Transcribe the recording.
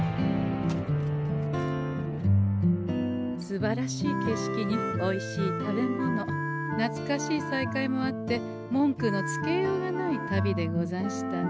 すばらしい景色においしい食べ物なつかしい再会もあって文句のつけようがない旅でござんしたね。